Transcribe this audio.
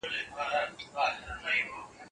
د پایلو تر لیکلو مخکي ټول اطلاعات تحلیل کړئ.